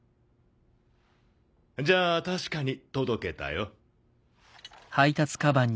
じゃあ確かに届けたよ。